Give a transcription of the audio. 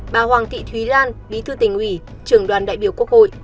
bà hoàng thị thúy lan bí thư tỉnh ủy trưởng đoàn đại biểu quốc hội